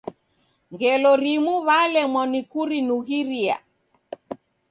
Ngelo rimu w'alemwa ni kurinughiria.